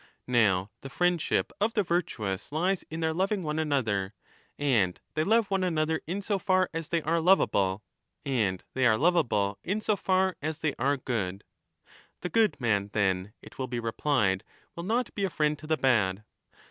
Now the friendship of the virtuous lies in their loving one another ; and they love one another in so far as they are lovable ; and they are lovable in so far as they are good. 'The lo good man, then,' it will be replied, ' will not be a friend to the bad.'